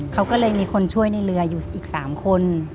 เขาก็เลยมีคนช่วยในเรืออยู่อีก๓คน